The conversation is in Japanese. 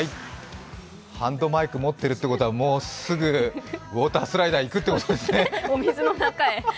ハンドマイク持ってるってことは、もうすぐウォータースライダーに行くということですね。